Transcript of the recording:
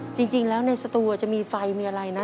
จริงแล้วในสตูจะมีไฟมีอะไรนะ